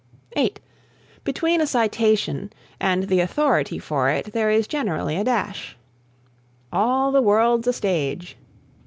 (8) Between a citation and the authority for it there is generally a dash: "All the world's a stage."